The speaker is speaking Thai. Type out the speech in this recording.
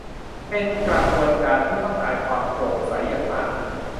เป็นกระบวนการที่ต้องการความโปร่งใสอย่างมาก